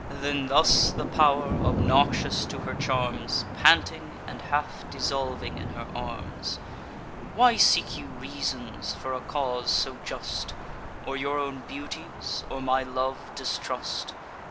Then thus the pow'r, obnoxious to her charms, Panting, and half dissolving in her arms: "Why seek you reasons for a cause so just, Or your own beauties or my love distrust?